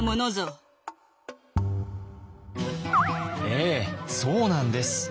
ええそうなんです！